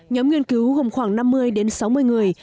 nhóm nghiên cứu gồm khoảng năm mươi đến sáu mươi người